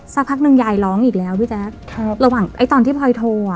สักพักนึงยายร้องอีกแล้วพี่แจ็ค